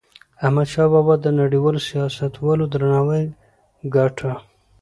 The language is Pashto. احمدشاه بابا د نړیوالو سیاستوالو درناوی ګاټه.